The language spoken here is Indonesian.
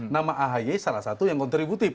nama ahy salah satu yang kontributif